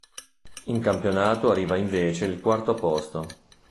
In campionato arriva invece il quarto posto.